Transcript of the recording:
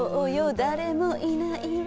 誰もいないわ